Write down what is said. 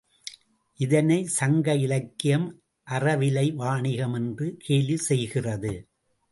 இதனைச் சங்க இலக்கியம் அறவிலை வாணிகம் என்று கேலி செய்கிறது.